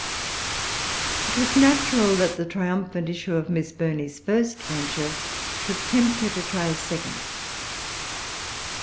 It was natural that the triumphant issue of Miss Burney's first venture should tempt her to try a second.